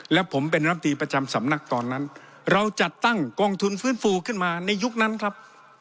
และผมเป็นรำตีประจำสำนักตอนนั้นเราจัดตั้งกองทุนฟื้นฟูขึ้นมาในยุคนั้นครับ